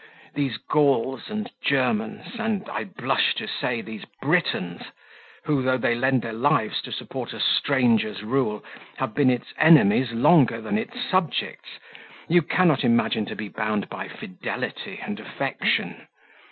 These Gauls and Germans, and, I blush to say, these Britons, who, though they lend their lives to support a stranger's rule, have been its enemies longer than its subjects, you cannot imagine to be bound by fidelity and affection.